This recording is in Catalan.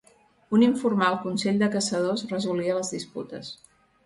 Un informal Consell de Caçadors resolia les disputes.